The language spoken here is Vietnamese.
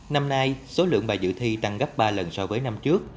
năm nay số lượng bài dự thi tăng gấp ba lần so với năm trước